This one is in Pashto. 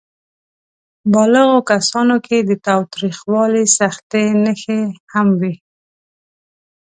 بالغو کسانو کې د تاوتریخوالي سختې نښې هم وې.